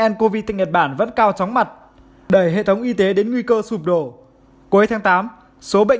ncov tại nhật bản vẫn cao chóng mặt đẩy hệ thống y tế đến nguy cơ sụp đổ cuối tháng tám số bệnh